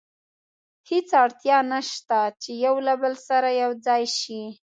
هېڅ اړتیا نه شته چې له یو بل سره یو ځای شي.